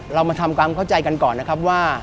เรามาทำความเข้าใจกันก่อนนะครับว่า